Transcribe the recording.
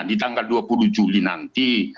di tanggal dua puluh juli nanti